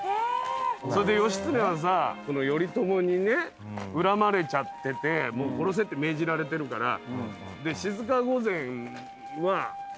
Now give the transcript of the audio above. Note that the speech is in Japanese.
それで義経は頼朝に恨まれちゃっててもう殺せって命じられてるから。